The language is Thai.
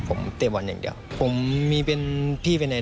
แต่ก็ทำให้เขาได้ประสบการณ์ชั้นดีของชีวิตดำมาพัฒนาต่อยอดสู่การแข่งขันบนเวทีทีมชาติไทย